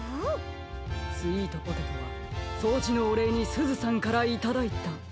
スイートポテトはそうじのおれいにすずさんからいただいた。